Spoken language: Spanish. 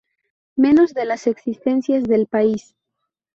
Menos de las existencias del país.